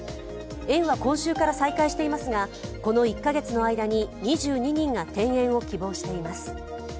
園は今週から再開していますが、この１カ月の間に２２人が転園を希望しています。